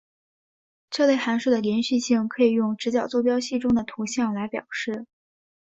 这类函数的连续性可以用直角坐标系中的图像来表示。